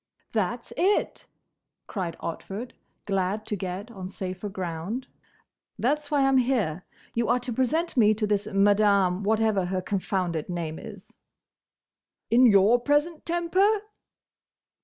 "That's it!" cried Otford, glad to get on safer ground. "That's why I 'm here. You are to present me to this Madame—whatever her confounded name is." "In your present temper?"